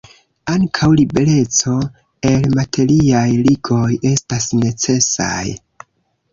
Ankaŭ libereco el materiaj ligoj estas necesaj.